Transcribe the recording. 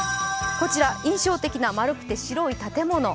こちら印象的な丸くて白い建物。